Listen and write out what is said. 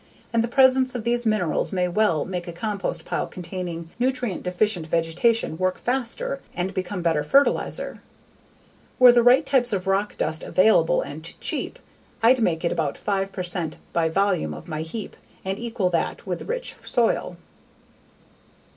And the presence of these minerals might well make a compost pile containing nutrient deficient vegetation work faster and become better fertilizer. Were the right types of rock dust available and cheap, I'd make it about 5 percent by volume of my heap, and equal that with rich soil.